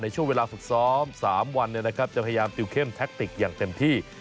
ช่วงเวลาฝึกซ้อม๓วันจะพยายามติวเข้มแท็กติกอย่างเต็มที่